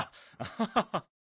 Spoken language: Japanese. アハハハ。